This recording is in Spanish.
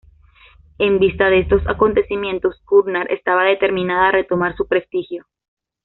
En vista de estos acontecimientos, Cunard estaba determinada a retomar su prestigio.